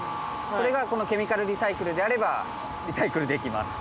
それがこのケミカルリサイクルであればリサイクルできます。